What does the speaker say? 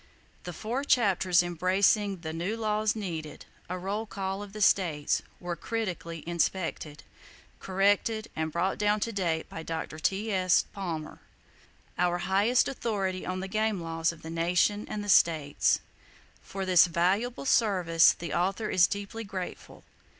The four chapters embracing the "New Laws Needed; A Roll Call of the States," were critically inspected, corrected and brought down to date by Dr. T.S. Palmer, our highest authority on the game laws of the Nation and the States. For this valuable service the author is deeply grateful.